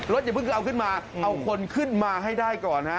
อย่าเพิ่งเอาขึ้นมาเอาคนขึ้นมาให้ได้ก่อนฮะ